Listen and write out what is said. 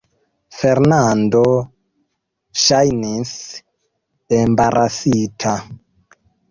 Fernando ŝajnis embarasita.